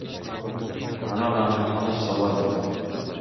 Анан аны камап салбадыбы.